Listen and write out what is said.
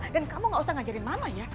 dan kamu gak usah ngajarin mama ya